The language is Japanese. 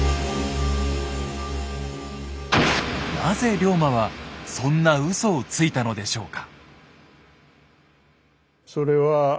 なぜ龍馬はそんなウソをついたのでしょうか？